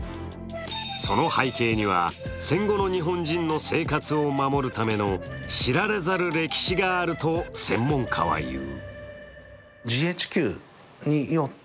その背景には、戦後の日本人の生活を守るための知られざる歴史があると専門家は言う。